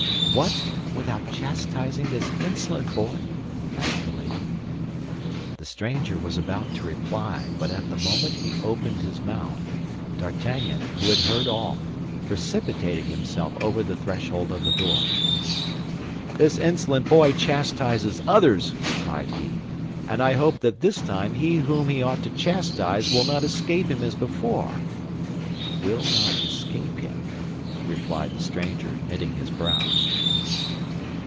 "What, without chastising this insolent boy?" asked the lady. The stranger was about to reply; but at the moment he opened his mouth, D'Artagnan, who had heard all, precipitated himself over the threshold of the door. "This insolent boy chastises others," cried he; "and I hope that this time he whom he ought to chastise will not escape him as before." "Will not escape him?" replied the stranger, knitting his brow.